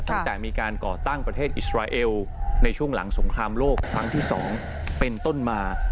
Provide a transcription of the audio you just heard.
ตั้งแต่มีการก่อตั้งประเทศอิสราเอลในช่วงหลังสงครามโลกครั้งที่๒เป็นต้นมา